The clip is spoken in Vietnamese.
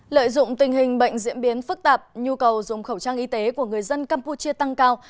lợi dụng tình hình bệnh diễn biến phức tạp nhu cầu dùng khẩu trang y tế của người dân campuchia tăng cao